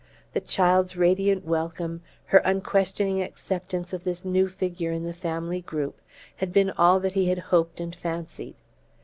The child's radiant welcome, her unquestioning acceptance of, this new figure in the family group, had been all that he had hoped and fancied.